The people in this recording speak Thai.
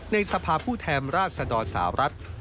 ในสภาพผู้แถมราชสะดอดสหรัฐ